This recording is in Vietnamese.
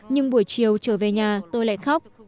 nhưng buổi chiều trở về nhà tôi lại khóc